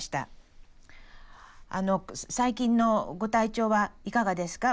最近のご体調はいかがですか？